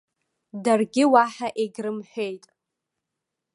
Даргьы уаҳа егьрымҳәеит.